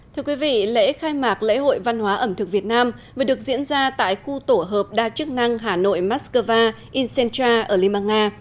thưa quý vị lễ khai mạc lễ hội văn hóa ẩm thực việt nam vừa được diễn ra tại khu tổ hợp đa chức năng hà nội moscow incentra ở liên bang nga